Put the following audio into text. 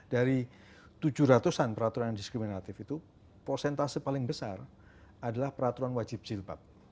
dari tujuh ratus an peraturan yang diskriminatif itu prosentase paling besar adalah peraturan wajib jilbab